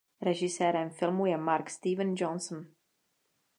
Režisérem filmu je Mark Steven Johnson.